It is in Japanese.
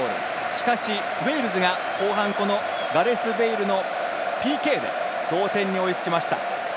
しかし、ウェールズが後半、このガレス・ベイルのＰＫで同点に追いつきました。